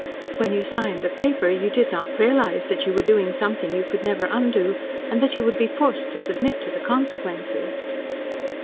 "When you signed the paper, you did not realise that you were doing something you could never undo and that you would be forced to submit to the consequences?"